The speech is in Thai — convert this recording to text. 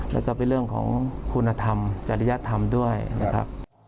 แล้วก็เป็นเรื่องของคุณธรรมจริยธรรมด้วยนะครับ